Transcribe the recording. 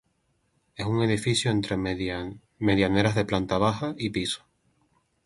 Es un edificio entre medianeras de planta baja y piso.